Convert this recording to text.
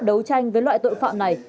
đấu tranh với loại tội phạm này